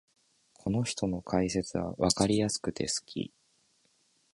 この人の解説はわかりやすくて好き